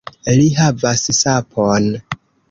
Li havas sapon!